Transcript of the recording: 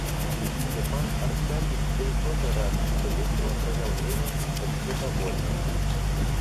Степан Аркадьич был тоже рад, что весело провел время и что все довольны.